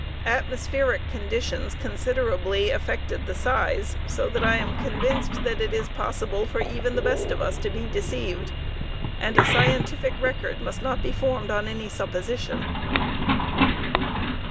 Atmospheric conditions considerably affected the size so that I am convinced that it is possible for even the best of us to be deceived, and a scientific record must not be formed on any supposition.